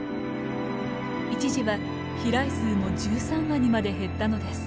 一時は飛来数も１３羽にまで減ったのです。